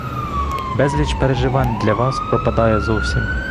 Безліч переживань для вас пропадає зовсім.